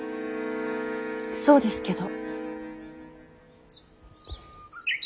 そうですけど。